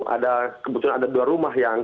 ada kebetulan ada dua rumah yang